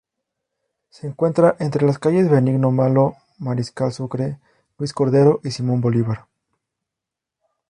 Se encuentra entre las calles Benigno Malo, Mariscal Sucre, Luis Cordero y Simón Bolívar.